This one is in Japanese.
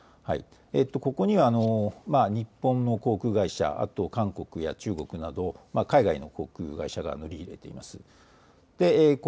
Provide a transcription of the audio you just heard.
ここには日本の航空会社、韓国や中国など海外の航空会社が乗り入れています。